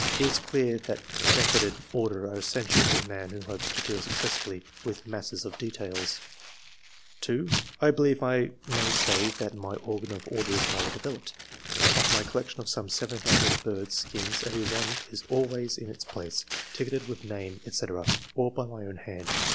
It is clear that method and order are essential to the man who hopes to deal successfully with masses of details. 2. —" I believe I may say that my organ of order is highly developed. Of my collection of some 7,000 birds' skins every one is always in its place, ticketed with name, &c., all by my 106 ENGLISH MEN OF SCIENCE. [chap. own hand.